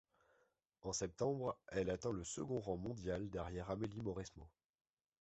En septembre, elle atteint le second rang mondial, derrière Amélie Mauresmo.